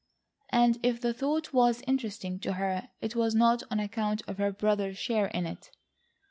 And if the thought was interesting to her, it was not on account of her brother's share in it.